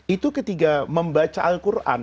itu ketika membaca al quran